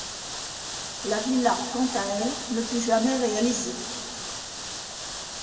La villa, quant à elle, ne fut jamais réalisée.